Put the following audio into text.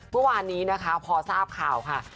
เมื่อวานนี้นะคะพอทราบข่าวค่ะ